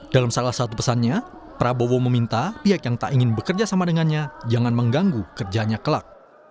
dalam salah satu pesannya prabowo meminta pihak yang tak ingin bekerja sama dengannya jangan mengganggu kerjanya kelak